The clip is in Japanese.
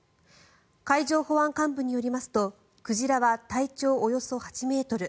海上保安監部によりますと鯨は体長およそ８ｍ。